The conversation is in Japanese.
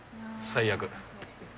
最悪。